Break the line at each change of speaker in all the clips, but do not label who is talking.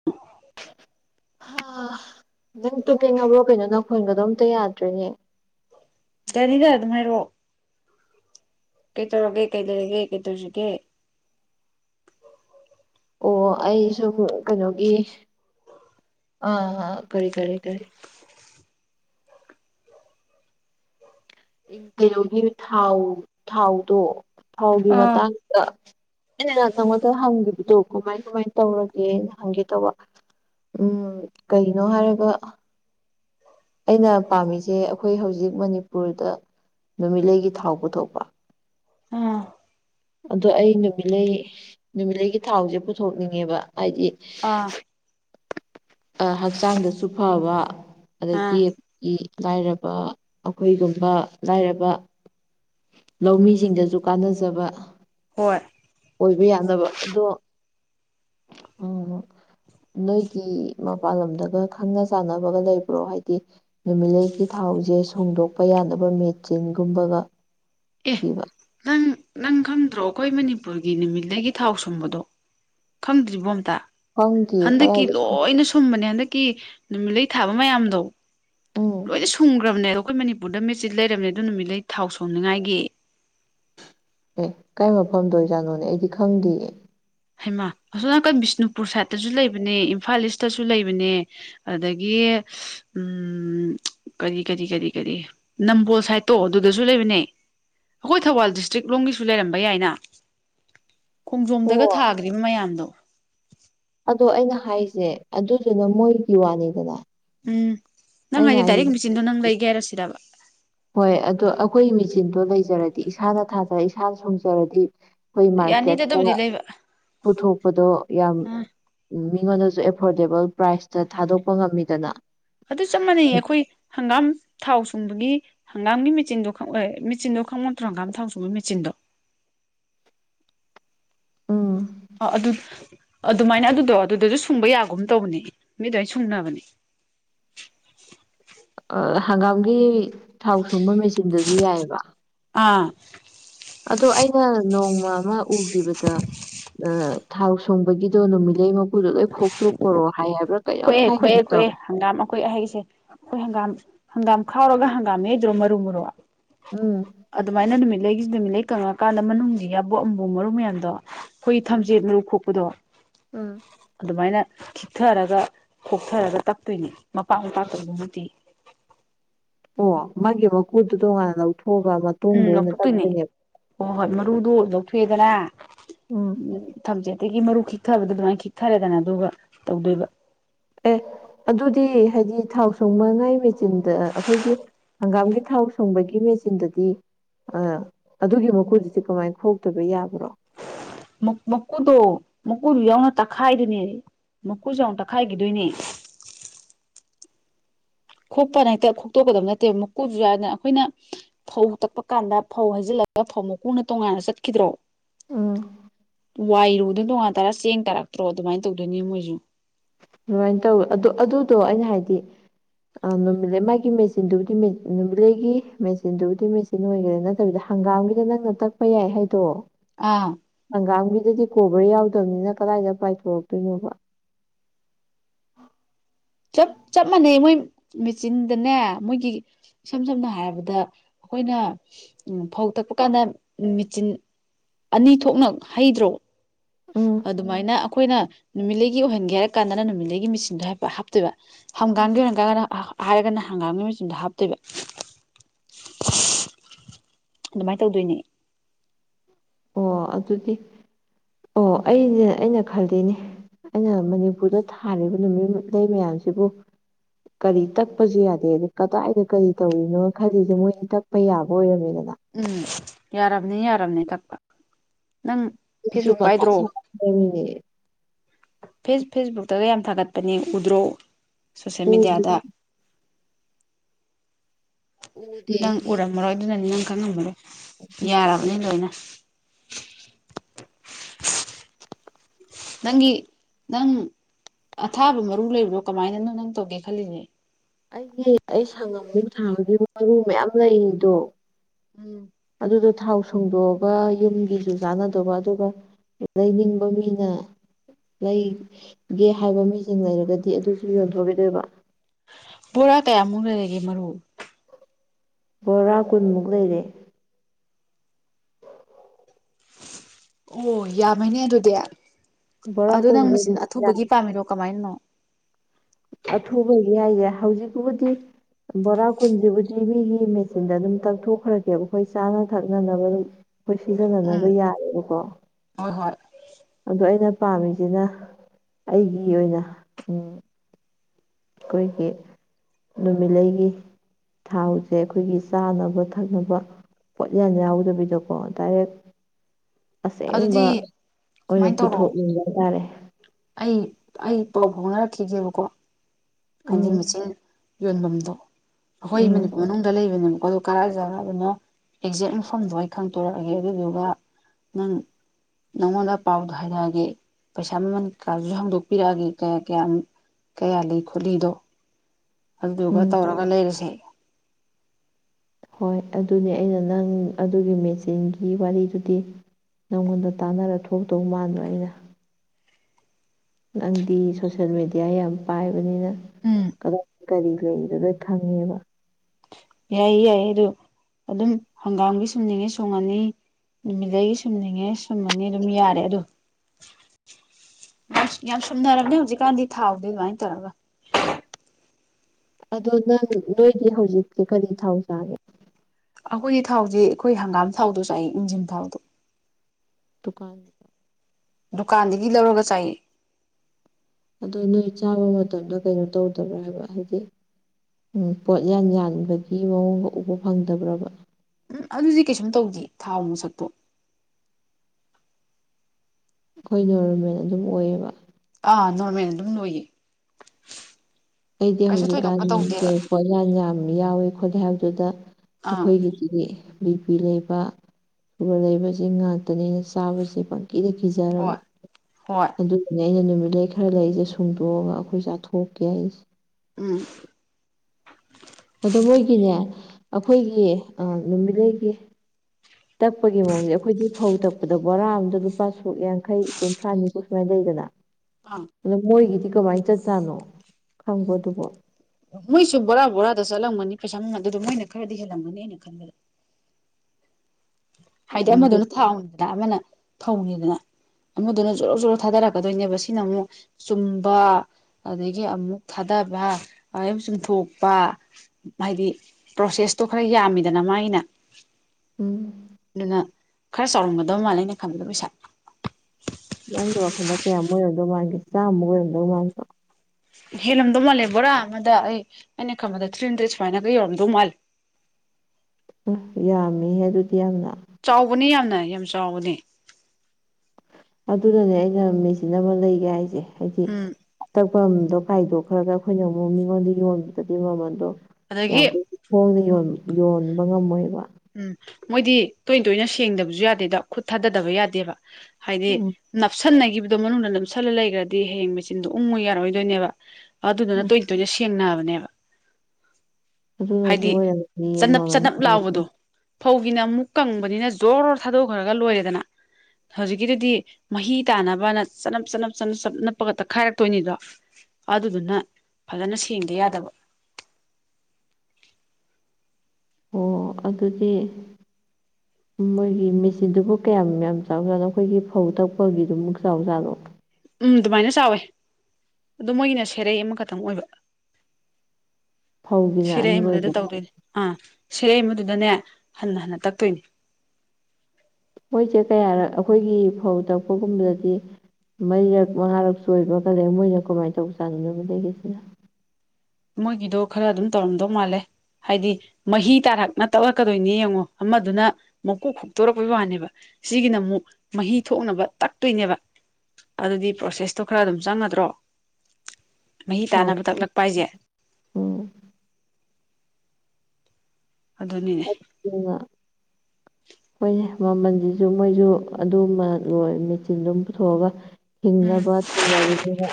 [inaudible]
ꯍꯥ ꯅꯪ ꯇꯨꯝꯅꯤꯡꯉꯕ꯭ꯔꯣ ꯀꯩꯅꯣ ꯅꯈꯣꯟꯒꯗꯣ ꯑꯝꯇ ꯌꯥꯗ꯭ꯔꯦꯅꯦ
ꯀꯔꯤꯅꯣ ꯑꯗꯨꯝ ꯍꯥꯏꯔꯣꯛ ꯀꯩ ꯇꯧꯔꯒꯦ ꯀꯩ ꯗꯧꯔꯤꯒꯦ ꯀꯩ ꯗꯧꯔꯤꯒꯦ
ꯑꯣ ꯑꯩꯁꯨ ꯀꯩꯅꯣꯒꯤ ꯑ ꯑ ꯀꯔꯤ ꯀꯔꯤ ꯀꯔꯤ ꯏꯪ ꯀꯩꯅꯣꯒꯤ ꯊꯥꯎ ꯊꯥꯎꯗꯣ ꯊꯥꯎꯒꯤ
ꯑꯥ
ꯃꯇꯥꯡꯗ ꯑꯩꯅ ꯉꯥꯟ ꯇꯥꯃꯣꯇꯣ ꯍꯪꯒꯤꯕꯗꯣ ꯀꯃꯥꯏ ꯀꯃꯥꯏꯟ ꯇꯧꯔꯒꯦꯅ ꯍꯪꯒꯦ ꯇꯧꯕ ꯎꯝ ꯀꯩꯅꯣ ꯍꯥꯏꯔꯒ ꯑꯩꯅ ꯄꯥꯝꯃꯤꯖꯦ ꯑꯈꯣꯏ ꯍꯧꯖꯤꯛ ꯃꯅꯤꯄꯨꯔꯗ ꯅꯨꯃꯤꯠꯂꯩꯒꯤ ꯊꯥꯎ ꯄꯨꯊꯣꯛꯄ
ꯑꯥ
ꯑꯗꯣ ꯑꯩ ꯅꯨꯃꯤꯠꯂꯩ ꯅꯨꯃꯤꯠꯂꯩꯒꯤ ꯊꯥꯎꯖꯦ ꯄꯨꯊꯣꯛꯅꯤꯡꯉꯦꯕ ꯍꯥꯏꯗꯤ
ꯑꯥ
ꯑ ꯍꯛꯆꯥꯡꯗꯖꯨ ꯐꯕ
ꯑꯥ
ꯑꯗꯒꯤ ꯒꯤ ꯂꯥꯏꯔꯕ ꯑꯈꯣꯏꯒꯨꯝꯕ ꯂꯥꯏꯔꯕ ꯂꯧꯃꯤꯖꯤꯡꯗꯖꯨ ꯀꯥꯟꯅꯖꯕ
ꯍꯣꯏ
ꯑꯣꯏꯕ ꯌꯥꯗꯕ ꯑꯗꯣ ꯑ ꯅꯣꯏꯒꯤ ꯃꯄꯥꯜꯂꯝꯗꯒ ꯈꯪꯅ ꯆꯥꯟꯅꯕꯒ ꯂꯩꯕ꯭ꯔꯣ ꯍꯥꯏꯗꯤ ꯅꯨꯃꯤꯠꯂꯩꯒꯤ ꯊꯥꯎꯖꯦ ꯁꯨꯡꯗꯣꯛꯄ ꯌꯥꯅꯕ ꯃꯦꯆꯤꯟꯒꯨꯝꯕꯒ
ꯑꯦ
ꯊꯤꯕ
ꯅꯪ ꯅꯪ ꯈꯪꯗ꯭ꯔꯣ ꯑꯈꯣꯏ ꯃꯅꯤꯄꯨꯔꯒꯤ ꯅꯨꯃꯤꯠꯂꯩꯒꯤ ꯊꯥꯎ ꯁꯨꯝꯕꯗꯣ ꯈꯪꯗ꯭ꯔꯤꯕꯣ ꯑꯝꯇ
ꯈꯪꯗꯦ
ꯍꯟꯗꯛꯀꯤ
ꯀꯗꯥꯏꯗ
ꯂꯣꯏꯅ ꯁꯨꯝꯕꯅꯦ ꯍꯟꯗꯛꯀꯤ ꯅꯨꯃꯤꯠꯂꯩ ꯊꯥꯕ ꯃꯌꯥꯝꯗꯣ
ꯎꯝ
ꯂꯣꯏꯅ ꯁꯨꯝꯒ꯭ꯔꯕꯅꯦ ꯑꯈꯣꯏ ꯃꯅꯤ ꯄꯨꯔꯗ ꯃꯦꯆꯤꯟ ꯂꯩꯔꯝꯅꯦ ꯑꯗꯨ ꯅꯨꯃꯤꯠ ꯂꯩ ꯊꯥꯎ ꯁꯨꯝꯅꯤꯡꯉꯥꯏꯒꯤ
ꯑꯦ ꯀꯥꯏ ꯃꯐꯝꯗ ꯑꯣꯏꯖꯥꯠꯅꯣꯅꯦ ꯑꯩꯗꯤ ꯈꯪꯗꯤꯑꯦ
ꯍꯩꯃꯥ ꯑꯁꯣꯅꯥꯀꯟ ꯕꯤꯁꯅꯨꯄꯨꯔ ꯁꯥꯏꯗꯠꯇꯖꯨ ꯂꯩꯕꯅꯦ ꯏꯝꯐꯥꯜ ꯏꯁꯇꯁꯨ ꯂꯩꯕꯅꯦ ꯑꯗꯒꯤ ꯎꯝ ꯀꯔꯤ ꯀꯔꯤ ꯀꯔꯤ ꯀꯔꯤ ꯅꯝꯕꯣꯜ ꯁꯥꯏꯠꯇꯣ ꯑꯗꯨꯗꯖꯨ ꯂꯩꯕꯅꯦ ꯑꯈꯣꯏ ꯊꯧꯕꯥꯜ ꯗꯤꯁꯇ꯭ꯔꯤꯛ ꯂꯣꯝꯒꯤꯁꯨ ꯂꯩꯔꯝꯕ ꯌꯥꯏꯅ ꯈꯣꯡꯖꯣꯝꯗꯒ
ꯑꯣ
ꯊꯥꯈ꯭ꯔꯤꯕ ꯃꯌꯥꯝꯗꯣ
ꯑꯗꯣ ꯑꯩꯅ ꯍꯥꯏꯖꯦ ꯑꯗꯨꯗꯨꯅ ꯃꯣꯏꯒꯤ ꯋꯥꯅꯤꯗꯅ
ꯎꯝ ꯅꯪ
ꯑꯩꯅ
ꯍꯥꯏꯗꯤ ꯗꯥꯏꯔꯦꯛ
ꯍꯥꯏꯁꯤꯅ
ꯃꯦꯆꯤꯟꯗꯣ ꯅꯪ ꯂꯩꯒꯦ ꯍꯥꯏꯔ ꯁꯤꯔꯕ
ꯍꯣꯏ ꯑꯗꯣ ꯑꯈꯣꯏ ꯃꯦꯆꯤꯟꯗꯣ ꯂꯩꯖꯔꯗꯤ ꯏꯁꯥꯅ ꯊꯥꯖꯔ ꯏꯁꯥꯅ ꯁꯨꯝꯖꯔꯗꯤ ꯈꯣꯏ
ꯌꯥꯅꯤꯗ
ꯃꯥꯔꯀꯦꯠꯇ
ꯑꯗꯨꯕꯨꯗꯤ ꯂꯩꯕ
ꯄꯨꯊꯣꯛꯄꯗꯣ ꯌꯥꯝ
ꯎꯝ
ꯃꯤꯉꯣꯟꯗꯖꯨ ꯑꯦꯐꯣꯔꯗꯦꯕꯜ ꯄ꯭ꯔꯥꯏꯁꯇ ꯊꯥꯗꯣꯛꯄ ꯉꯝꯃꯤꯗꯅ
ꯑꯗꯨ ꯆꯞ ꯃꯥꯟꯅꯩꯌꯦ ꯑꯈꯣꯏ ꯍꯪꯒꯥꯝ ꯊꯥꯎ ꯁꯨꯡꯕꯒꯤ ꯍꯪꯒꯥꯝꯒꯤ ꯃꯦꯆꯤꯟꯗꯣ ꯈꯪ ꯑꯦ ꯃꯦꯆꯤꯟꯗꯣ ꯈꯪꯕ ꯅꯠꯇ꯭ꯔꯣ ꯍꯪꯒꯥꯝ ꯊꯥꯎ ꯁꯨꯝꯕꯩ ꯃꯦꯆꯤꯟꯗꯣ
ꯎꯝ
ꯑ ꯑꯗꯨ ꯑꯗꯨꯃꯥꯏꯅ ꯑꯗꯨꯗꯣ ꯑꯗꯨꯗꯖꯨ ꯁꯨꯡꯕ ꯌꯥꯒꯨꯝ ꯇꯧꯕꯅꯦ ꯃꯤ ꯑꯗ꯭ꯋꯥꯏ ꯁꯨꯡꯅꯕꯅꯦ
ꯑ ꯍꯪꯒꯥꯝꯒꯤ ꯊꯥꯎ ꯁꯨꯡꯕ ꯃꯦꯆꯤꯟꯗꯖꯨ ꯌꯥꯏꯑꯦꯕ
ꯑꯥ
ꯑꯗꯣ ꯑꯩꯅ ꯅꯣꯡꯃ ꯃ ꯎꯒꯤꯕꯗ ꯑ ꯊꯥꯎ ꯁꯨꯡꯕꯒꯤꯗꯣ ꯅꯨꯃꯤꯠꯂꯩ ꯃꯀꯨꯗꯣ ꯂꯣꯏ ꯈꯣꯛꯇꯣꯛ ꯄꯨꯔꯣ ꯍꯥꯏ ꯍꯥꯏꯕ꯭ꯔ
ꯈꯣꯑꯦ ꯈꯣꯑꯦ ꯈꯣꯑꯦ ꯍꯪꯒꯥꯝ ꯑꯈꯣꯏ ꯑꯍꯩꯁꯦ ꯈꯣꯏ ꯍꯪꯒꯥꯝ ꯍꯪꯒꯥꯝ ꯈꯥꯎꯔꯒ ꯍꯪꯒꯥꯝ ꯌꯥꯩꯗ꯭ꯔꯣ ꯃꯔꯨ ꯃꯔꯨ
ꯎꯝ
ꯑꯗꯨꯃꯥꯏꯅ ꯅꯨꯃꯤꯠꯂꯩꯒꯤꯖꯨ ꯅꯨꯃꯤꯠꯂꯩ ꯀꯪꯉꯀꯥꯟꯗ ꯃꯅꯨꯡꯖꯤ ꯌꯥꯕꯣꯛ ꯑꯃꯨꯕꯣꯛ ꯃꯔꯨ ꯃꯌꯥꯝꯗꯣ ꯈꯣꯏ
ꯎꯝ
ꯊꯝꯖꯦꯠ ꯃꯔꯨ ꯈꯣꯛꯄꯗꯣ
ꯎꯝ
ꯗꯨꯃꯥꯏꯅ ꯈꯤꯛꯊꯔꯒ ꯈꯣꯛꯊꯔꯒ ꯇꯛꯇꯣꯏꯅꯦ ꯃꯄꯥꯛ ꯃꯄꯥꯛ [unintelligible]
ꯑꯣ ꯃꯥꯒꯤ ꯃꯀꯨꯗꯣ ꯇꯣꯉꯥꯟꯅ ꯂꯧꯊꯣꯛꯑꯒ
ꯎꯝ
ꯃꯇꯣꯡꯗꯣ ꯑꯣꯏꯅ
ꯂꯧꯊꯣꯛꯇꯣꯏꯅꯦ
ꯇꯛꯇꯣꯏꯅꯦꯕ
ꯍꯣ ꯍꯣꯏ ꯃꯔꯨꯗꯣ ꯂꯧꯊꯣꯛꯑꯦꯗꯅꯥ
ꯎꯝ
ꯊꯝꯖꯦꯠꯇꯒꯤ ꯃꯔꯨ ꯈꯤꯛꯊꯕꯗꯣ ꯑꯗꯨꯃꯥꯏꯟ ꯈꯤꯛꯊꯔꯦꯗꯅ ꯑꯗꯨꯒ ꯇꯧꯗꯣꯏꯕ
ꯑꯦ ꯑꯗꯨꯗꯤ ꯍꯥꯏꯗꯤ ꯊꯥꯎ ꯁꯨꯡꯕꯉꯩ ꯃꯦꯆꯤꯟꯗ ꯑꯈꯣꯏꯒꯤ ꯍꯪꯒꯥꯝꯒꯤ ꯊꯥꯎ ꯁꯨꯡꯕꯒꯤ ꯃꯦꯆꯤꯟꯗꯨꯗꯤ ꯑ ꯑꯗꯨꯒꯤ ꯃꯀꯨꯗꯨꯗꯤ ꯀꯃꯥꯏꯟ ꯈꯣꯛꯇꯣꯏꯕ ꯌꯥꯕ꯭ꯔꯣ
ꯃꯛ ꯃꯀꯨꯗꯣ ꯃꯀꯨꯗꯨ ꯌꯥꯎꯅ ꯇꯛꯈꯥꯏꯗꯨꯅꯦ ꯃꯀꯨꯖꯨ ꯌꯥꯎꯅ ꯇꯛꯈꯥꯏꯒꯤꯗꯣꯏꯅꯦ ꯈꯣꯛꯄꯅ ꯍꯦꯛꯇ ꯈꯣꯛꯇꯣꯛꯀꯗꯕ ꯅꯠꯇꯦ ꯃꯨꯀꯨꯖꯨ ꯌꯥꯎꯅ ꯑꯈꯣꯏꯅ ꯐꯧ ꯇꯛꯄ ꯀꯥꯟꯗ ꯐꯧ ꯍꯩꯖꯤꯜꯂꯒ ꯐꯧ ꯃꯀꯨꯅ ꯇꯣꯡꯉꯥꯟꯅ ꯆꯠꯈꯤꯗ꯭ꯔꯣ ꯋꯥꯏꯔꯨꯗꯨꯟ ꯇꯣꯉꯥꯟ ꯇꯔꯥ ꯆꯦꯡ ꯇꯥꯔꯛꯇ꯭ꯔꯣ ꯑꯗꯨꯃꯥꯏꯟ ꯇꯧꯗꯣꯏꯅꯦ ꯃꯣꯏꯖꯨ
ꯑꯃꯥꯏꯟ ꯇꯧꯕ ꯑꯗꯨ ꯑꯗꯨꯗꯣ ꯑꯩꯅ ꯍꯥꯏꯗꯤ ꯑꯥ ꯅꯨꯃꯤꯠꯂꯩ ꯃꯥꯒꯤ ꯃꯦꯆꯤꯟꯗꯨꯕꯨꯗꯤ ꯅꯨꯃꯤꯠꯂꯩꯒꯤ ꯃꯦꯆꯤꯟꯗꯨꯕꯨꯗꯤ ꯃꯦ ꯆꯤꯟ ꯑꯣꯏꯒꯦꯔꯥ ꯅꯠꯇꯕꯤꯗ ꯍꯪꯒꯥꯝꯒꯤꯗ ꯅꯪꯅ ꯇꯛꯄ ꯌꯥꯏ ꯍꯥꯏꯗꯣ
ꯑꯥ
ꯍꯪꯒꯥꯥꯡꯝꯒꯤꯗꯨꯗꯤ ꯀꯣꯕꯔ ꯌꯥꯎꯗꯝꯅꯤꯅ ꯀꯗꯥꯏꯗ ꯄꯥꯏꯊꯣꯔꯛꯇꯣꯏꯅꯣꯕ
ꯆꯞ ꯆꯞ ꯃꯥꯟꯅꯩ ꯃꯣꯏ ꯃꯦꯆꯤꯟꯗꯅꯦ ꯃꯣꯏꯒꯤ ꯏꯁꯝ ꯁꯝꯅ ꯍꯥꯏꯔꯕꯗ ꯑꯈꯣꯏꯅ ꯎꯝ ꯐꯧ ꯇꯛꯄ ꯀꯥꯟꯗ ꯃꯤꯆꯤꯟ ꯑꯅꯤ ꯊꯣꯛꯅ ꯍꯩꯗ꯭ꯔꯣ ꯑꯗꯨꯃꯥꯏꯅ ꯑꯈꯣꯏꯅ ꯅꯨꯃꯤꯠꯂꯩꯒꯤ ꯑꯣꯏꯍꯟꯒꯦ ꯍꯥꯏꯔ ꯀꯥꯟꯗꯅ ꯅꯨꯃꯤꯠꯂꯩꯒꯤ ꯃꯦꯆꯤꯟꯗꯣ ꯍꯥꯏꯐꯦꯠ ꯍꯥꯞ ꯇꯣꯏꯕ ꯍꯪꯒꯥꯝꯒꯤ ꯑꯣꯏꯔꯒꯅ ꯍꯥꯏꯔꯒꯅ ꯍꯪꯒꯥꯝꯒꯤ ꯃꯦꯆꯤꯟꯗ ꯍꯥꯞꯇꯣꯏꯕ ꯑꯗꯨꯃꯥꯏ ꯇꯧꯗꯣꯏꯅꯦ
ꯑꯣ ꯑꯗꯨꯗꯤ ꯑꯣ ꯑꯩꯅꯦ ꯑꯩꯅ ꯈꯜꯂꯤꯅꯦ ꯑꯩꯅ ꯃꯅꯤꯄꯨꯔꯗ ꯊꯥꯔꯤꯕ ꯅꯨꯃꯤ ꯂꯩ ꯃꯌꯥꯝꯁꯤꯕꯨ ꯀꯔꯤ ꯇꯛꯄꯖꯨ ꯌꯥꯗꯦꯗꯨ ꯀꯗꯥꯏꯗ ꯀꯔꯤ ꯇꯧꯔꯤꯅꯣ ꯈꯜꯂꯤꯖꯦ ꯃꯣꯏꯗꯤ ꯇꯛꯄ ꯌꯥꯕ ꯑꯣꯏꯔꯝꯃꯤꯗꯅ
ꯎꯝ ꯌꯥꯔꯝꯅꯤ ꯌꯥꯔꯝꯅꯤ ꯇꯛꯄ ꯅꯪ ꯐꯦꯁꯕꯨꯛ
[unintelligible]
ꯐꯦꯁ ꯐꯦꯁꯕꯨꯛꯇꯒ ꯌꯥꯝ ꯊꯥꯒꯠꯄꯅꯦ ꯎꯗ꯭ꯔꯣ ꯁꯣꯁꯦꯜ
ꯎꯗꯤ
ꯃꯦꯗꯤꯌꯥꯗ
ꯎꯗꯦ
ꯅꯪ
ꯑꯩꯗꯤ
ꯎꯔꯝꯃꯔꯣꯏ ꯑꯗꯨꯅꯅꯤ ꯅꯪ ꯈꯪꯉꯝꯃꯔꯣꯏ ꯌꯥꯔ ꯅꯤ ꯂꯣꯏꯅ
[inaudible]
ꯅꯪꯒꯤ ꯅꯪ ꯑꯊꯥꯕ ꯃꯔꯨ ꯂꯩꯕ꯭ꯔꯣ ꯀꯃꯥꯏꯅꯅꯣ ꯅꯪ ꯇꯧꯒꯦ ꯈꯜꯂꯤꯖꯦ
ꯑꯩꯒꯤ ꯑꯩ ꯁꯪꯉꯝ ꯊꯥꯕꯒꯤ ꯃꯔꯨ ꯃꯌꯥꯝ ꯂꯩꯗꯣ
ꯎꯝ
ꯑꯗꯨꯗꯣ ꯊꯥꯎ ꯁꯨꯡꯗꯣꯛꯑꯒ ꯌꯨꯝꯒꯤꯖꯨ ꯆꯥꯟꯅꯗꯧꯕ ꯑꯗꯨꯒ ꯂꯩꯅꯤꯡꯕ ꯃꯤꯅ ꯂꯩꯒꯦ ꯍꯥꯏꯕ ꯃꯤꯁꯤꯡ ꯂꯩꯔꯒꯗꯤ ꯑꯗꯨꯁꯨ ꯌꯣꯟꯊꯣꯛꯈꯤꯗꯣꯏꯕ
ꯕꯣꯔꯥ ꯀꯌꯥꯃꯨꯛ ꯂꯩꯔꯤꯒꯦ ꯃꯔꯨ
ꯕꯣꯔꯥ ꯀꯨꯟꯃꯨꯛ ꯂꯩꯔꯦ
ꯑꯣ ꯌꯥꯝꯃꯦꯅꯦ ꯑꯗꯨꯗꯤ
ꯕꯣꯔꯥ
ꯑꯗꯣ ꯅꯪ
ꯀꯨꯟꯁꯦ
ꯃꯆꯤꯟ
ꯑꯗꯨꯝ
ꯑꯊꯨꯕꯒꯤ ꯄꯥꯝꯃꯤꯔꯣ ꯀꯃꯥꯏꯅꯣ
ꯑꯊꯨꯕꯒꯤ ꯍꯥꯏꯖꯦ ꯍꯧꯖꯤꯛꯄꯨꯗꯤ ꯕꯣꯔꯥ ꯀꯨꯟꯖꯤꯕꯨꯗꯤ ꯃꯤꯒꯤ ꯃꯦꯆꯤꯟꯗ ꯑꯗꯨꯝ ꯇꯛꯊꯣꯛꯈ꯭ꯔꯒꯦꯕ ꯑꯈꯣꯏ ꯆꯥꯅ ꯊꯛꯅꯅꯕ ꯈꯣꯏ ꯁꯤꯖꯤꯟꯅꯅꯕ
ꯎꯝ
ꯌꯥꯌꯦꯕꯀꯣ
ꯍꯣꯏ ꯍꯣꯏ
ꯑꯗꯣ ꯑꯩꯅ ꯄꯥꯝꯃꯤꯖꯤꯅ ꯑꯩꯒꯤ ꯑꯣꯏꯅ ꯎꯝ ꯀꯣꯢꯒꯤ ꯅꯨꯃꯤꯠꯂꯩꯒꯤ ꯊꯥꯎꯖꯦ ꯑꯈꯣꯏꯒꯤ ꯆꯥꯅꯕ ꯊꯛꯅꯕ ꯄꯣꯠꯌꯥꯟ ꯌꯥꯎꯗꯕꯤꯗꯀꯣ ꯗꯥꯏꯔꯦꯛ ꯑꯁꯦꯡꯕ
ꯑꯗꯨꯗꯤ
ꯑꯣꯏꯅ
ꯁꯨꯃꯥꯏꯅ ꯇꯧꯔꯛꯑꯣ
ꯄꯨꯊꯣꯛꯅꯤꯡꯕ ꯍꯥꯏꯇꯥꯥꯔꯦ
ꯑꯩ ꯑꯩ ꯄꯥꯎ ꯐꯥꯎꯅꯔꯛꯈꯤꯒꯦꯕꯀꯣ ꯍꯥꯏꯗꯤ
ꯎꯝ
ꯃꯦꯆꯤꯟ ꯌꯣꯟꯕꯝꯗꯣ ꯑꯈꯣꯏ
ꯎꯝ
ꯃꯅꯤꯄꯨꯔ ꯃꯅꯨꯡꯗ ꯂꯩꯕꯅꯦꯕꯀꯣ ꯑꯗꯨꯝ ꯀꯔꯥꯏ ꯖꯒꯥꯗꯅꯣ ꯑꯦꯛꯖꯦꯛ ꯃꯐꯝꯗꯣ ꯑꯩ ꯈꯪꯇꯣꯔꯛꯑꯒꯦ ꯑꯗꯨꯗꯨꯒ ꯅꯪ ꯅꯪꯉꯣꯟꯗ ꯄꯥꯎꯗꯣ ꯍꯥꯏꯔꯛꯑꯒꯦ ꯄꯩꯁꯥ ꯃꯃꯟ ꯀꯥꯁꯨ ꯍꯥꯡꯗꯣꯛꯄꯤꯔꯛꯑꯒꯦ ꯀꯌꯥ ꯀꯌꯥ ꯀꯌꯥ ꯂꯩ ꯈꯨꯠꯂꯤꯗꯣ ꯑꯗꯨꯗꯨꯒ
ꯎꯝ
ꯇꯧꯔꯒ ꯂꯩꯔꯁꯦ
ꯍꯣꯏ ꯑꯗꯨꯅꯤ ꯑꯩꯅ ꯅꯪ ꯑꯗꯨꯒꯤ ꯃꯦꯆꯤꯟꯒꯤ ꯋꯥꯔꯤꯗꯨꯗꯤ ꯅꯪꯉꯣꯟꯗ ꯇꯥꯟꯅꯔ ꯊꯣꯛꯇꯧ ꯃꯥꯟꯕ ꯑꯩꯅ ꯅꯪꯗꯤ ꯁꯣꯁꯦꯜ ꯃꯦꯗꯤꯌꯥ ꯌꯥꯝ ꯄꯥꯏꯕꯅꯤꯅ ꯀꯗꯥꯏ ꯀꯔꯤ ꯂꯩꯔꯤꯗꯣ ꯂꯣꯢ ꯈꯪꯉꯦꯕ
ꯌꯥꯏꯌꯦ ꯌꯥꯏꯌꯦ ꯑꯗꯨ ꯑꯗꯨꯝ ꯍꯪꯒꯥꯝꯒꯤ ꯁꯨꯝꯅꯤꯡꯉꯤ ꯁꯨꯡꯉꯅꯤ ꯅꯨꯃꯤꯠ ꯂꯩ ꯁꯨꯝꯅꯤꯡꯉꯦ ꯁꯨꯝꯃꯅꯤ ꯑꯗꯨꯝ ꯌꯥꯔꯦ ꯑꯗꯣ ꯌꯥꯝ ꯁꯨꯝꯅꯔꯕꯅꯦ ꯍꯧꯖꯤꯛꯀꯥꯟꯗꯤ ꯊꯥꯎꯗꯦ ꯑꯗꯨꯃꯥꯏ ꯇꯧꯔꯒ
ꯑꯗꯣ ꯅꯪ ꯅꯣꯏꯗꯤ ꯍꯧꯖꯤꯛꯇꯤ ꯀꯔꯤ ꯊꯥꯎ ꯆꯥꯒꯦ
ꯑꯈꯣꯏꯒꯤ ꯊꯥꯎꯖꯤ ꯑꯩꯈꯣꯏ ꯍꯪꯒꯥꯝ ꯊꯥꯎꯗꯣ ꯆꯥꯏꯌꯦ ꯏꯟꯖꯤꯟ ꯊꯥꯎꯗꯣ
ꯇꯨꯀꯥꯟ
ꯗꯨꯀꯥꯟꯗꯒꯤ ꯂꯧꯔꯒ ꯆꯥꯏꯌꯦ
ꯑꯗꯣ ꯅꯣꯏ ꯆꯥꯕ ꯃꯇꯝꯗ ꯀꯩꯅꯣ ꯇꯧꯗꯕ꯭ꯔꯥ ꯍꯥꯏꯕ ꯍꯥꯏꯗꯤ ꯎ ꯄꯣꯠ ꯌꯥꯟ ꯌꯥꯟꯕꯒꯤ ꯃꯑꯣꯡꯗ ꯎꯕ ꯐꯪꯗꯕ꯭ꯔꯕ
ꯎꯝ ꯑꯗꯨꯗꯤ ꯀꯩꯁꯨꯝ ꯇꯧꯗꯦ ꯊꯥꯎ ꯃꯁꯛꯇꯣ
ꯑꯈꯣꯏꯒꯤ ꯅꯣꯔꯃꯦꯜ ꯑꯗꯨꯝ ꯑꯣꯏꯌꯦꯕ
ꯑ ꯅꯣꯔꯃꯦꯜ ꯑꯗꯨꯝ ꯂꯣꯏꯌꯦ
ꯑꯩꯗꯤ
ꯀꯩꯁꯨ ꯊꯣꯏꯗꯣꯛꯄ
ꯍꯧꯖꯤꯛꯀꯥꯟꯁꯦ
ꯇꯧꯗꯦꯕ
ꯄꯣꯠꯌꯥꯟ ꯌꯥꯝ ꯌꯥꯎꯏ ꯈꯣꯠꯂꯦ ꯍꯥꯏꯕꯗꯨꯗ
ꯑꯥ
ꯑꯈꯣꯏꯒꯤ ꯑꯗꯤ ꯕꯤ ꯄꯤ ꯂꯩꯕ ꯁꯨꯒꯔ ꯂꯩꯕ ꯁꯤ ꯉꯥꯛꯇꯅꯤꯅ ꯆꯥꯕꯁꯦ ꯀꯤꯗꯤ ꯀꯤꯖꯔꯕ
ꯍꯣꯏ ꯍꯣꯏ
ꯑꯗꯨ ꯑ ꯑꯩꯅ ꯅꯨꯃꯤꯠꯂꯩ ꯈꯔ ꯂꯩꯔꯤꯁꯦ ꯁꯨꯡꯗꯣꯛꯑꯒ ꯑꯈꯣꯏ ꯆꯥꯊꯣꯛꯀꯦ ꯑꯩ
ꯎꯝ
ꯑꯗꯣ ꯃꯣꯏꯒꯤꯅꯦ ꯑꯈꯣꯏꯒꯤ ꯅꯨꯃꯤ ꯂꯩꯩꯒꯤ ꯇꯛꯄꯒꯤ ꯃꯑꯣꯡꯖꯦ ꯑꯈꯣꯏꯗꯤ ꯐꯧ ꯇꯛꯄꯗ ꯕꯣꯔꯥ ꯑꯝꯗ ꯂꯨꯄꯥ ꯁꯣꯛ ꯌꯥꯡꯈꯩ ꯀꯨꯟꯊ꯭ꯔꯥ ꯅꯤꯐꯨ ꯁꯨꯃꯥꯏꯟ ꯂꯩꯗꯅ [inaudible]
ꯑꯥꯡ
ꯑꯗꯣ ꯃꯣꯏꯒꯤꯗꯤ ꯀꯃꯥꯏꯅ ꯆꯠꯆꯥꯥꯅꯣ ꯈꯪꯕꯣ ꯑꯗꯨꯕꯣ
ꯑꯣ ꯃꯣꯏꯁꯨ ꯕꯣꯔꯥ ꯕꯣꯔꯥꯗ ꯆꯠꯂꯝꯒꯅꯤ ꯄꯩꯁꯥ ꯃꯃꯟ ꯑꯗꯨꯗꯣ ꯃꯣꯏꯅ ꯈꯔꯗꯤ ꯍꯦꯜꯂꯝꯒꯅꯤ ꯑꯩꯅ ꯈꯟꯕꯗ ꯍꯥꯏꯗꯤ
ꯎꯝ
ꯑꯃꯗꯨꯅ ꯊꯥꯎꯅꯤꯗꯅ ꯑꯃꯅ ꯊꯧꯅꯤꯗꯅ ꯑꯃꯗꯨꯅ ꯖꯣꯔꯣꯛ ꯖꯣꯔꯣꯛ ꯊꯥꯗꯔꯛꯀꯗꯣꯏꯅꯦꯕ ꯁꯤꯅ ꯃꯨꯛ ꯆꯨꯝꯕ ꯑꯗꯒꯤ ꯑꯃꯨꯛ ꯊꯥꯗꯕ [unintelligible] ꯆꯨꯝꯊꯣꯛꯄ ꯍꯥꯏꯗꯤ ꯄ꯭ꯔꯣꯁꯦꯁꯇꯣ ꯈꯔ ꯌꯥꯝꯃꯤꯗꯅ ꯃꯥꯢꯅ
ꯎꯝ
ꯑꯗꯨꯅ ꯈꯔ ꯆꯥꯎꯔꯝꯒꯗꯧ ꯃꯥꯜꯂꯦ ꯑꯩꯅ ꯈꯟꯕꯗ ꯄꯩꯁꯥ
ꯅꯪꯒꯤ ꯋꯥꯈꯜꯗ ꯀꯌꯥꯃꯨꯛ ꯑꯣꯏꯔꯝꯗꯧ ꯃꯥꯡꯒꯦ ꯆꯥꯝꯃꯨꯛ ꯑꯣꯏꯔꯝꯗꯧ ꯃꯥꯟꯕ꯭ꯔꯣ
ꯍꯦꯜꯂꯝꯗꯧ ꯃꯥꯜꯂꯦ ꯕꯣꯔꯥ ꯑꯃꯗ ꯑꯩ ꯑꯩꯅ ꯈꯪꯕꯗ ꯊ꯭ꯔꯤ ꯍꯟꯗ꯭ꯔꯦꯗ ꯁꯨꯃꯥꯏꯅꯒ ꯌꯧꯔꯝꯗꯧ ꯃꯥꯜꯂꯦ
ꯎꯪ ꯌꯥꯝꯃꯦꯍꯦ ꯑꯗꯨꯗꯤ ꯌꯥꯝꯅ
ꯆꯥꯎꯕꯅꯤ ꯌꯥꯝꯅ ꯌꯥꯝ ꯆꯥꯎꯕꯅꯤ
ꯑꯗꯨꯅꯅꯦ ꯑꯩꯅ ꯃꯦꯆꯤꯟ ꯑꯃ ꯂꯩꯒꯦ ꯍꯥꯏꯖꯦ ꯍꯥꯏꯗꯤ
ꯎꯝ
ꯑꯇꯛꯐꯝꯗꯣ ꯀꯥꯏꯗꯣꯛꯈ꯭ꯔꯒ ꯑꯈꯣꯏꯅ ꯑꯃꯨꯛ ꯃꯤꯉꯣꯟꯗ ꯌꯣꯟꯕꯗꯗꯤ ꯃꯃꯟꯗꯣ ꯌꯥꯝ
ꯑꯗꯒꯤ
ꯀꯨꯏ ꯍꯣꯡꯅ ꯌꯣꯟ ꯌꯣꯟꯕ ꯉꯝꯃꯣꯏꯕ
ꯎꯝ ꯃꯣꯏꯗꯤ ꯇꯣꯏꯟ ꯇꯣꯏꯅ ꯁꯦꯡꯗꯕꯁꯨ ꯌꯥꯗꯦꯗ ꯈꯨꯠ ꯊꯥꯗ ꯗꯕ ꯌꯥꯗꯦꯕ ꯍꯥꯏꯗꯤ
ꯎꯝ
ꯅꯞꯁꯟꯅꯒꯤꯕꯗꯣ ꯃꯅꯨꯡꯗ ꯅꯞꯁꯜꯂ ꯂꯩꯒ꯭ꯔꯗꯤ ꯍꯌꯦꯡ ꯃꯦꯆꯤꯟꯗꯣ ꯎꯪꯉꯨ ꯌꯥꯔꯣꯏꯗꯣꯏꯅꯦꯕ ꯑꯗꯨꯗꯨꯅ
ꯎꯝ
ꯇꯣꯏ ꯇꯣꯏꯅ ꯁꯦꯡꯅꯕꯅꯦꯕ
ꯑꯗꯨꯅꯁꯨ
ꯍꯥꯏꯗꯤ
ꯑꯣꯏꯔꯝꯒꯅꯤꯌꯦ
ꯆꯅꯞ
ꯃꯃꯜ
ꯆꯅꯞ ꯂꯥꯎꯕꯗꯣ ꯐꯧꯒꯤꯅ ꯑꯃꯨꯛ ꯀꯪꯕꯅꯤꯅ ꯖꯣꯔ ꯊꯥꯗꯣꯈ꯭ꯔꯒ ꯂꯣꯏꯔꯦꯗꯅ꯫ ꯍꯧꯖꯤꯛꯀꯤꯗꯨꯗꯤ ꯃꯍꯤ ꯇꯥꯅꯕꯅ ꯆꯅꯞ ꯆꯅꯞ ꯆꯅꯞ ꯆꯞ ꯅꯞꯄꯒ ꯇꯛꯈꯥꯏꯔꯛꯇꯣꯏꯅꯤꯗꯣ꯫ ꯑꯗꯨꯗꯨꯅ ꯐꯖꯅ ꯁꯦꯡꯗ ꯌꯥꯗꯕ꯫
ꯑꯣ ꯑꯗꯨꯗꯤ ꯃꯣꯏꯒꯤ ꯃꯦꯆꯤꯟꯗꯨꯕꯨ ꯀꯌꯥꯝ ꯌꯥꯝ ꯆꯥꯎꯖꯥꯅꯣ ꯑꯈꯣꯏꯒꯤ ꯐꯧ ꯇꯛꯄꯒꯤꯗꯨꯃꯨꯛ ꯆꯥꯎꯖꯥꯠꯂꯣ꯫
ꯎꯝ ꯗꯨꯃꯥꯏꯅ ꯆꯥꯎꯋꯦ ꯑꯗꯣ ꯃꯣꯏꯒꯤꯅ ꯁꯦꯔꯩ ꯑꯃꯈꯇꯪ ꯑꯣꯏꯕ꯫
ꯐꯧꯒꯤꯅ
ꯁꯦꯔꯩ
ꯑꯅꯤ
ꯑꯃꯗꯨꯗ
ꯑꯣꯏꯕ
ꯇꯧꯗꯣꯏꯅꯤ꯫ ꯑꯥ ꯁꯦꯔꯩ ꯑꯃꯗꯨꯗꯅꯦ ꯍꯟꯅ ꯍꯟꯅ ꯇꯛꯇꯣꯏꯅꯤ꯫
ꯃꯣꯏꯁꯦ ꯀꯌꯥꯔꯛ ꯑꯈꯣꯏꯒꯤ ꯐꯧ ꯇꯛꯄꯒꯨꯝꯕꯗꯗꯤ ꯃꯩꯔꯛ ꯃꯥꯔꯛꯁꯨꯏꯕꯒ ꯂꯩ ꯃꯣꯏꯅ ꯀꯃꯥꯏꯅ ꯇꯧꯕ ꯆꯥꯅꯣ ꯅꯨꯃꯤꯠꯂꯩꯒꯦꯁꯤꯅ
ꯃꯣꯏꯒꯤꯗꯣ ꯈꯔ ꯑꯗꯨꯝ ꯇꯧꯔꯝꯗꯧ ꯃꯥꯜꯂꯦ꯫ ꯍꯥꯏꯗꯤ ꯃꯍꯤ ꯇꯥꯔꯛꯅ ꯇꯧꯂꯛꯀꯗꯣꯏꯅꯤ ꯌꯦꯡꯉꯣ ꯑꯃꯗꯨꯅ ꯃꯀꯨ ꯈꯣꯛꯇꯣꯔꯛꯄꯩ ꯋꯥꯅꯦꯕ ꯁꯤꯒꯤꯅ ꯃꯨꯛ ꯃꯍꯤ ꯊꯣꯛꯅꯕ ꯇꯛꯇꯣꯏꯅꯦꯕ꯫ ꯑꯗꯨꯗꯤ ꯄ꯭ꯔꯣꯁꯦꯁꯇꯣ ꯈꯔ ꯑꯗꯨꯝ ꯆꯪꯉꯗ꯭ꯔꯣ ꯃꯍꯤ
ꯍꯣꯏ
ꯇꯥꯅꯕ ꯊꯛꯂꯛꯄ ꯍꯥꯏꯖꯦ꯫
ꯎꯝ
ꯑꯗꯨꯅꯤꯅꯦ
ꯗꯨꯅ ꯍꯣꯏꯅꯦ ꯃꯃꯟꯖꯤꯖꯨ ꯃꯣꯏꯖꯨ ꯑꯗꯨꯃ ꯂꯣꯏ ꯃꯦꯆꯤꯟꯗꯨꯝ ꯄꯨꯊꯣꯛꯑꯒ
ꯎꯝ
ꯍꯤꯡꯅꯕ ꯊꯦꯡꯅꯔꯤꯅꯤꯅ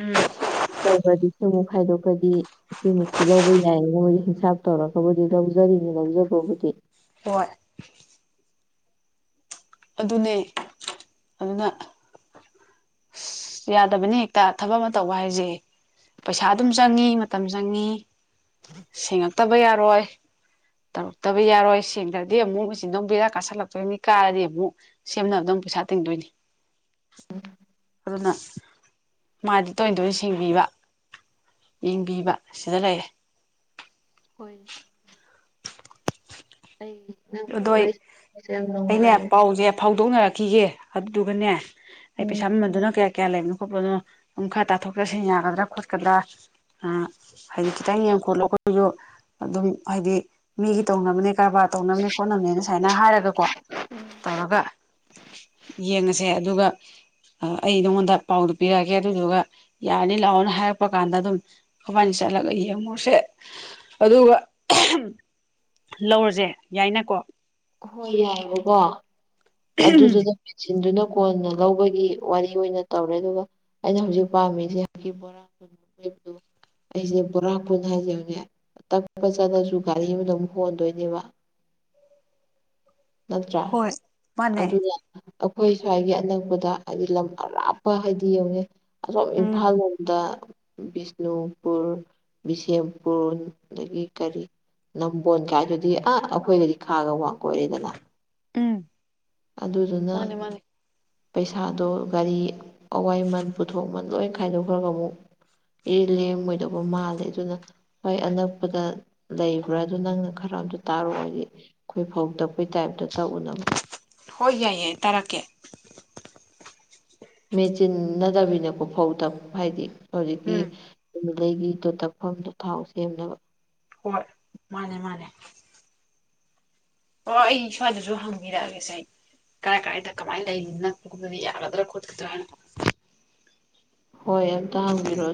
ꯎꯝ
ꯁꯤ ꯇꯧꯕꯗꯤ ꯁꯤ ꯑꯃꯨꯛ ꯈꯥꯏꯗꯣꯛꯈꯔꯗꯤ ꯁꯤꯃꯨꯛꯇꯤ ꯂꯧꯕ ꯌꯥꯏ ꯃꯣꯏ ꯍꯤꯡꯁꯥꯞ ꯇꯧꯔꯒꯕꯨꯗꯤ ꯂꯧꯖꯔꯤꯅꯤ ꯂꯧꯖꯕꯕꯨꯗꯤ꯫
ꯍꯣꯏ ꯑꯗꯨꯅꯦ ꯑꯗꯨꯅ ꯌꯥꯗꯕꯅꯦ ꯍꯦꯛꯇ ꯊꯕꯛ ꯑꯃ ꯇꯧꯕ ꯍꯥꯏꯖꯦ ꯄꯩꯁꯥ ꯑꯗꯨꯝ ꯆꯪꯉꯤ ꯃꯇꯝ ꯆꯪꯉꯤ꯫ ꯁꯦꯡꯉꯛꯇꯕ ꯌꯥꯔꯣꯏ꯫ ꯇꯧꯔꯛꯇꯕ ꯌꯥꯔꯣꯏ ꯁꯦꯡꯗ꯭ꯔꯗꯤ ꯑꯃꯨꯛ ꯃꯦꯆꯤꯟꯗꯣ ꯃꯨꯛ ꯕꯦꯔꯥ ꯀꯥꯁꯜꯂꯛꯇꯣꯏꯅꯤ ꯀꯥꯔꯗꯤ ꯃꯨꯛ ꯁꯦꯝꯅꯕꯗ ꯃꯨꯛ ꯄꯩꯁꯥ ꯇꯤꯡꯗꯣꯏꯅꯤ꯫ ꯑꯗꯨꯅ ꯃꯥꯗꯤ ꯇꯣꯏꯅ ꯇꯣꯏꯅ ꯁꯦꯡꯕꯤꯕ꯫ ꯌꯦꯡꯕꯤꯕ ꯁꯤꯗ ꯂꯩꯔꯦ꯫
ꯍꯣꯏ ꯑꯩ ꯅꯪꯕꯨ
ꯑꯗꯣ ꯑꯩ
ꯎꯔꯤꯁꯦ ꯌꯥꯝ
ꯑꯩꯅꯦ
ꯅꯨꯡꯉꯥꯏꯔꯦ꯫
ꯄꯥꯎꯁꯦ ꯐꯥꯎꯗꯣꯛꯅꯔꯛꯈꯤꯒꯦ ꯑꯗꯨꯗꯨꯒꯅꯦ ꯑꯩ
ꯎꯝ
ꯄꯩꯁꯥ ꯃꯃꯜꯗꯨꯅ ꯀꯌꯥ ꯀꯌꯥ ꯂꯩꯕꯅꯣ ꯈꯣꯠꯄꯅꯣ ꯑꯗꯨꯝ ꯈꯔ ꯇꯥꯊꯣꯛꯇꯥꯁꯤ ꯌꯥꯒꯗ꯭ꯔꯥ ꯈꯣꯠꯀꯗ꯭ꯔꯥ꯫ ꯍꯥꯏꯗꯤ ꯈꯤꯇꯪ ꯌꯦꯡ ꯈꯣꯠꯂꯣ ꯑꯩꯈꯣꯏꯁꯨ ꯑꯗꯨꯝ ꯍꯥꯏꯗꯤ ꯃꯤꯒꯤ ꯇꯧꯅꯕꯅꯦ ꯀꯔꯕꯥꯔ ꯇꯧꯅꯕꯅꯦ ꯍꯣꯠꯅꯕꯅꯦꯅ ꯁꯨꯃꯥꯏꯅ ꯍꯥꯏꯔꯒꯀꯣ ꯇꯧꯔꯒ ꯌꯦꯡꯉꯁꯦ ꯑꯗꯨꯒ ꯑꯩ ꯅꯉꯣꯟꯗ ꯄꯥꯎꯗꯨ ꯄꯤꯔꯛꯑꯒꯦ ꯑꯗꯨꯗꯨꯒ ꯌꯥꯔꯅꯤ ꯂꯥꯛꯑꯣꯅ ꯍꯥꯏꯔꯛꯄ ꯀꯥꯟꯗ ꯑꯗꯨꯝ ꯑꯩꯈꯣꯏꯕꯥꯅꯤ ꯆꯠꯂꯒ ꯌꯦꯡꯉꯣꯁꯦ ꯑꯗꯨꯒ ꯂꯧꯔꯁꯦ ꯌꯥꯏꯅꯀꯣ꯫
ꯍꯣꯏ ꯌꯥꯏꯑꯕꯀꯣ ꯑꯗꯨꯗꯨꯗ ꯆꯤꯟꯗꯨꯅ ꯀꯣꯟꯅ ꯂꯧꯕꯒꯤ ꯋꯥꯔꯤ ꯑꯣꯏꯅ ꯇꯧꯔꯦ ꯑꯗꯨꯒ ꯑꯩꯅ ꯍꯧꯖꯤꯛ ꯄꯥꯝꯃꯤꯁꯦ ꯕꯣꯔꯥ [unintelligible] ꯑꯩꯁꯦ ꯕꯣꯔꯥ ꯀꯨꯟ ꯍꯥꯏꯖꯕꯅꯦ ꯇꯛꯄ ꯆꯠꯂꯁꯨ ꯒꯥꯔꯤ ꯑꯃꯗꯃꯨꯛ ꯍꯣꯟꯗꯣꯏꯅꯦꯕ꯫ ꯅꯠꯇ꯭ꯔꯥ
ꯍꯣꯏ ꯃꯥꯅꯦ
ꯑꯗꯨꯅ ꯑꯩꯈꯣꯏ ꯁ꯭ꯋꯥꯏꯒꯤ ꯑꯅꯛꯄꯗ ꯍꯥꯏꯗꯤ ꯂꯝ ꯑꯔꯥꯞꯄ ꯍꯥꯏꯗꯤ ꯌꯦꯡꯉꯨꯅꯦ꯫ ꯑꯁꯣꯝ
ꯎꯝ
ꯏꯝꯐꯥꯜ ꯂꯣꯝꯗ ꯕꯤꯁꯅꯨꯄꯨꯔ ꯕꯤꯁꯦꯝꯄꯨꯔ ꯑꯗꯒꯤ ꯀꯔꯤ ꯅꯝꯕꯣꯟ ꯀꯥꯏꯗꯨꯗꯤ ꯑ ꯑꯩꯈꯣꯏꯒꯗꯤ ꯈꯥꯒ ꯋꯥ ꯑꯣꯏꯔꯦꯗꯅ꯫
ꯎꯝ
ꯑꯗꯨꯗꯨꯅ
ꯃꯥꯅꯦ ꯃꯥꯅꯦ
ꯄꯩꯁꯥꯗꯣ ꯒꯥꯔꯤ ꯑꯋꯥꯏꯃꯟ ꯄꯨꯊꯣꯛꯃꯟ ꯂꯣꯏ ꯈꯥꯏꯗꯣꯛꯈ꯭ꯔꯒ ꯑꯃꯨꯛ ꯑꯦ ꯂꯦꯡꯉꯣꯏꯗꯧꯕ ꯃꯥꯜꯂꯦ ꯑꯗꯨꯅ ꯍꯣꯏ ꯑꯅꯛꯄꯗ ꯂꯩꯕ꯭ꯔꯥ ꯑꯗꯨ ꯅꯪꯅ ꯈꯔ ꯑꯝꯇ ꯇꯥꯔꯛꯑꯣ ꯍꯥꯏꯗꯤ ꯑꯩꯈꯣꯏ ꯐꯧ ꯇꯛꯄꯩ ꯇꯥꯏꯞꯇ ꯇꯛꯎꯅꯕ
ꯍꯣꯏ ꯌꯥꯏ ꯌꯥꯏ ꯇꯥꯔꯛꯀꯦ
ꯃꯦꯆꯤꯟꯅꯗꯕꯤꯅꯀꯣ ꯐꯧ ꯇꯛꯄ ꯍꯥꯏꯗꯤ ꯍꯧꯖꯤꯛꯀꯤ
ꯎꯝ
ꯑꯗꯨꯒꯤꯗꯣ ꯇꯛꯐꯝꯗꯣ ꯊꯥꯎ ꯁꯦꯝꯅꯕ
ꯍꯣꯏ ꯃꯥꯅꯦ ꯃꯥꯅꯦ ꯑꯣ ꯑꯩ ꯁ꯭ꯋꯥꯏꯗꯁꯨ ꯍꯪꯕꯤꯔꯛꯑꯒꯦꯁꯦ ꯑꯩ ꯀꯥꯏ ꯀꯥꯏꯗ ꯀꯃꯥꯏ ꯂꯩꯔꯤ ꯅꯪ ꯀꯗꯤ ꯌꯥꯔꯗ꯭ꯔ ꯈꯣꯠꯀꯇ꯭ꯔꯥꯅ
ꯍꯣꯏ ꯑꯝꯇ ꯍꯪꯕꯤꯔꯛꯑꯣ